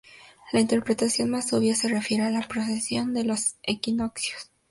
La interpretación más obvia se refiere a la precesión de los equinoccios.